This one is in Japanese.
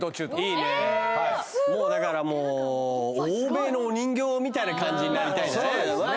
もうだからもうえ欧米のお人形みたいな感じになりたいんだね